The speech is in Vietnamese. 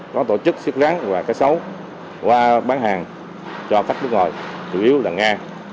họ chức xếp rán và ca sấu qua bán hàng cho các nước ngoài chủ yếu là nga